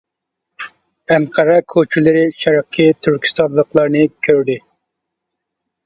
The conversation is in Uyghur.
ئەنقەرە كوچىلىرى شەرقى تۈركىستانلىقلارنى كۆردى.